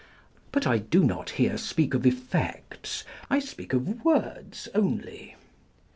But I do not here speak of effects, I speak of words only.